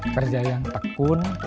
kerja yang tekun